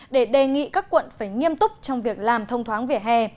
để đề nghị các quận phải nghiêm túc trong việc làm thông thoáng vỉa hè